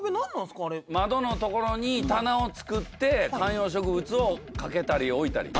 窓の所に棚を作って観葉植物を掛けたり置いたり。